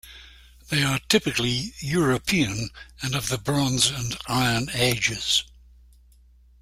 They are typically European and of the Bronze and Iron Ages.